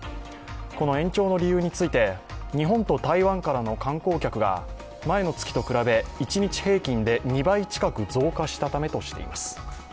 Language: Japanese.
この延長の理由について日本と台湾からの観光客が前の月と比べ、一日平均で２倍近く増加したためとしています。